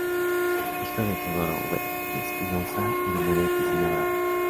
Hijo de Teodoro V. Espinosa y de María Cristina Bravo.